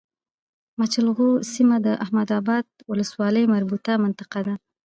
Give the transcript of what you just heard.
مچلغو سيمه د احمداباد ولسوالی مربوطه منطقه ده